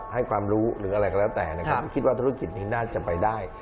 ให้ความรู้หรืออะไรก็แล้วแต่นะครับคิดว่าธุรกิจนี้น่าจะไปได้